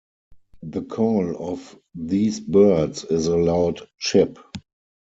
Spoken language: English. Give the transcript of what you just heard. The call of these birds is a loud "chip".